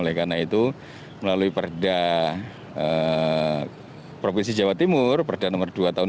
oleh karena itu melalui perda provinsi jawa timur perda nomor dua tahun dua ribu dua